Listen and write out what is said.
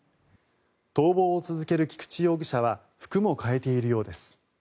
逃亡を続ける菊池容疑者は服も変えているようです。